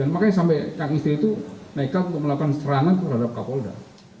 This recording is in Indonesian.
makanya sampai kang istri itu nekat untuk melakukan serangan terhadap kapolda